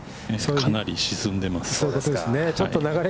かなり沈んでます。